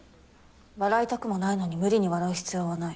笑いたくもないのに無理に笑う必要はない。